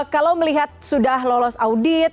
kalau melihat sudah lolos audit